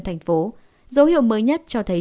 thành phố dấu hiệu mới nhất cho thấy